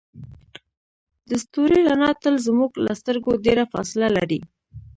د ستوري رڼا تل زموږ له سترګو ډیره فاصله لري.